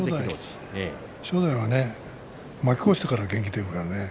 正代はね負け越してから元気が出るからね。